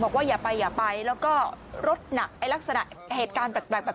อย่าไปอย่าไปแล้วก็รถหนักไอ้ลักษณะเหตุการณ์แปลกแบบ